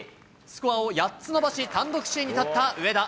スコアを８つ伸ばし、単独首位に立った上田。